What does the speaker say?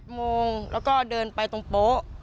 โมงแล้วก็เดินไปตรงโป๊ะ